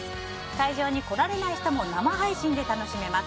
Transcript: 会場に来られない人も生配信で楽しめます。